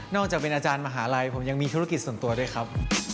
จากเป็นอาจารย์มหาลัยผมยังมีธุรกิจส่วนตัวด้วยครับ